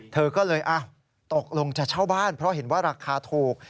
เธอก็เลยตกลงจะเช่าบ้านเพราะเห็นว่าราคาถูก